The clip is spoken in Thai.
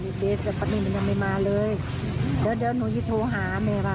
อยู่เฟสแต่ปั๊ดนี้มันยังไม่มาเลยเดี๋ยวเดี๋ยวหนูที่โทรหาแม่มา